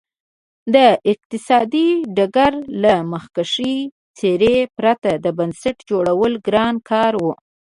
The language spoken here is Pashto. د اقتصادي ډګر له مخکښې څېرې پرته د بنسټ جوړول ګران کار و.